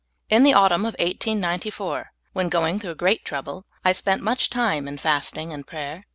In the autumn of 1894, when going through great trouble, I spent much time in fasting and praj^er.